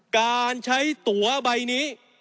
การใช้ตัวใบนี้